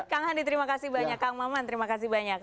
kang handi terima kasih banyak kang maman terima kasih banyak